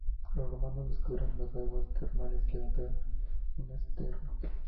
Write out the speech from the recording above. Los romanos descubrieron las aguas termales y levantaron unas termas.